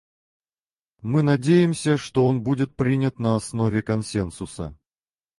Мы надеемся, что он будет принят на основе консенсуса.